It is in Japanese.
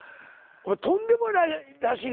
とんでもないらしいな。